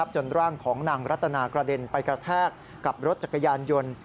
จนร่างของนางรัตนากระเด็นไปกระแทกกับรถจักรยานยนต์